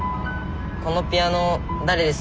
このピアノ誰ですか？